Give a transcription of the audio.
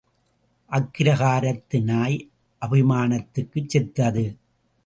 அக்கிரகாரத்து நாய் அபிமானத்துக்குச் செத்தது.